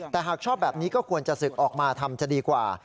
แต่หากชอบแบบนี้ก็ควรจะศึกออกมาทำจะดีกว่า